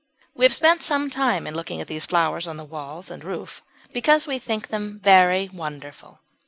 We have spent some time in looking at these flowers on the walls and roof because we think them very wonderful.